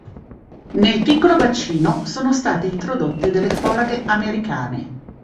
Nel piccolo bacino sono state introdotte delle folaghe americane.